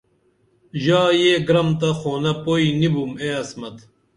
ژا یہ گرم تہ خونہ پوئی نی بُم اے عصمت